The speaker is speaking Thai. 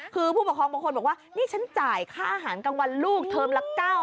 คือผู้ปกครองบางคนบอกว่านี่ฉันจ่ายค่าอาหารกลางวันลูกเทอมละ๙๐๐